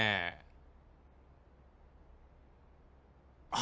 あ。